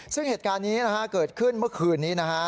ซึ่งเหตุการณ์นี้นะฮะเกิดขึ้นเมื่อคืนนี้นะฮะ